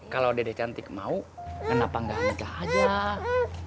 kalau dede cantik mau kenapa gak ada kajah